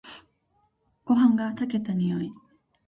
ごはんが炊けた匂い。